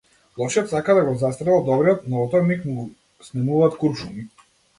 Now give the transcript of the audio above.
Лошиот сака да го застрела добриот, но во тој миг му снемуваат куршуми.